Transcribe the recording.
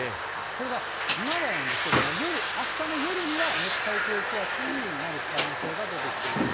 これがまだなんですけど、夜、あしたの夜には熱帯低気圧になる可能性が出てきている。